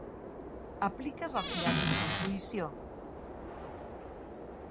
Apliques els llavis amb fruïció.